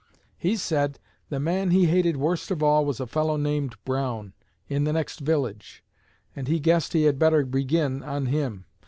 He said the man he hated worst of all was a fellow named Brown, in the next village, and he guessed he had better begin on him.